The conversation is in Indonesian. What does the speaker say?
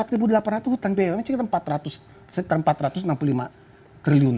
rp empat delapan ratus hutang bumn sekitar rp empat ratus enam puluh lima